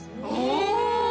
お！